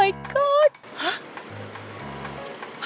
apa yang di riana